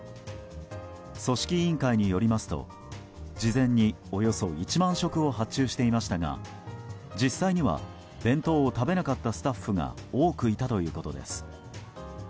組織委員会によりますと事前におよそ１万食を発注していましたが実際には、弁当を食べなかったスタッフが多くいたということです。